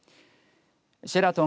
シェラトン